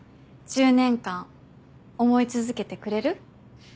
１０年間思い続けてくれる？